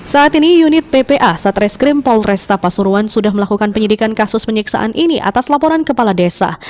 saat ini unit ppa satreskrim polresta pasuruan sudah melakukan penyidikan kasus penyiksaan ini atas laporan kepala desa